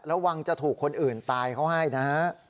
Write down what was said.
ระวังจะถูกคนอื่นตายเขาให้นะฮะ